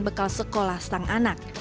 bekal sekolah sang anak